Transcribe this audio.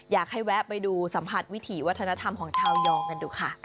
อยากให้แวะไปดูสัมผัสวิถีวัฒนธรรมของชาวยองกันดูค่ะ